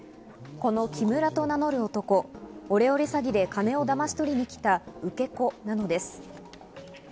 このキムラと名乗る男、オレオレ詐欺で金をだまし取りに来た受け子なのです。